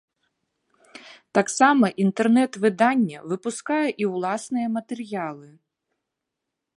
Таксама інтэрнэт-выданне выпускае і ўласныя матэрыялы.